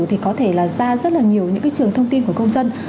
thì có thể là ra rất là nhiều những cái trường thông tin của công dân